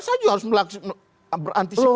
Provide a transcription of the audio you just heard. saya juga harus berantisipasi